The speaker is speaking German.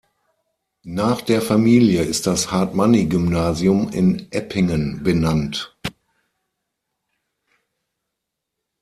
Nach der Familie ist das "Hartmanni-Gymnasium" in Eppingen benannt.